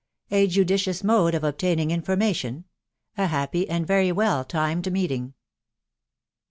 A JUDICIOUS MODE OP OBTAINIHG IV FORMATIOK. A HAPPY AND VERT WELL TIMED MEETING.